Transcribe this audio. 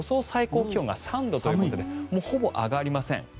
最高気温が３度ということでほぼ上がりません。